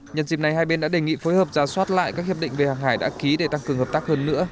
nhân dịp này hai bên đã đề nghị phối hợp giả soát lại các hiệp định về hàng hải đã ký để tăng cường hợp tác hơn nữa